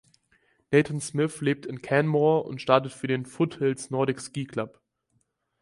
Nathan Smith lebt in Canmore und startet für den "Foothills Nordic Ski Club".